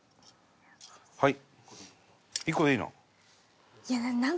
はい。